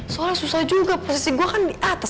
soalnya susah juga posisi gue kan di atas